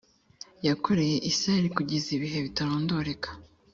yakoreye isirayeli kugeza ibihe bitarondoreka